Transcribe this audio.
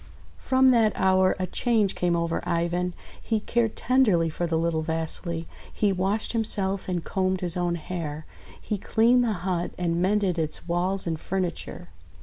'1 From that hour a change came over Ivan. He cared tenderly for the little Vasily. He washed himself and combed his own hair. He cleaned the hut and mended its walls and furni ture.